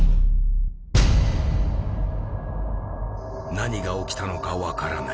何が起きたのか分からない。